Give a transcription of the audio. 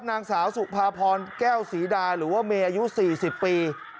นางสาวสุภาพรแก้วศรีดาหรือว่าเมย์อายุ๔๐ปี